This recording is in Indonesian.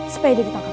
supaya dia ditangkap